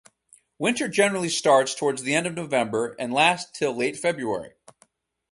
Winter generally starts towards the end of November and lasts till late February.